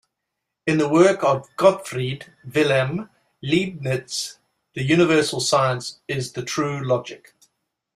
In the work of Gottfried Wilhelm Leibniz, the universal science is the true logic.